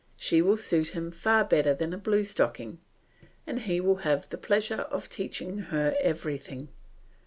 She will suit him far better than a blue stocking and he will have the pleasure of teaching her everything.